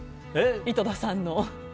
井戸田さんの。